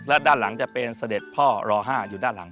และด้านหลังจะเป็นเสด็จพ่อรอ๕อยู่ด้านหลัง